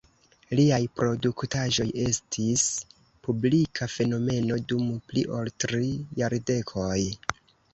Liaj produktaĵoj estis publika fenomeno dum pli ol tri jardekoj.